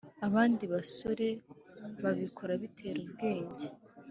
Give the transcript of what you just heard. abandi basore babikora bitera ubwenge